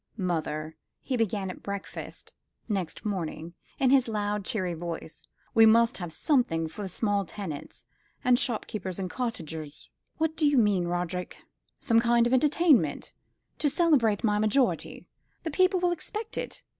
"Mother," he began at breakfast next morning, in his loud cheery voice, "we must have something for the small tenants, and shopkeepers, and cottagers." "What do you mean, Roderick?" "Some kind of entertainment to celebrate my majority. The people will expect it.